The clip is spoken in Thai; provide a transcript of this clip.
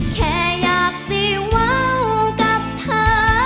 แค่อยากสิว่าวกับเธอ